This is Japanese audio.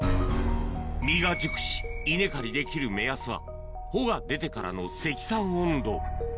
実が熟し、稲刈りできる目安は、穂が出てからの積算温度。